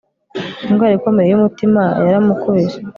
Indwara ikomeye yumutima yaramukubise